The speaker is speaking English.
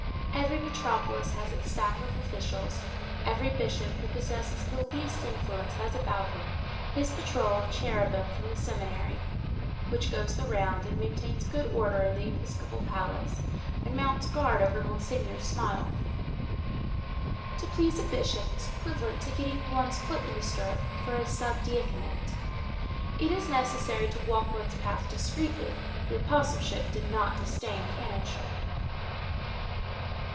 Every metropolis has its staff of officials. Every bishop who possesses the least influence has about him his patrol of cherubim from the seminary, which goes the round, and maintains good order in the episcopal palace, and mounts guard over monseigneur's smile. To please a bishop is equivalent to getting one's foot in the stirrup for a sub diaconate. It is necessary to walk one's path discreetly; the apostleship does not disdain the canonship.